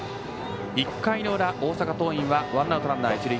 １回の裏、大阪桐蔭はワンアウトランナー、一塁。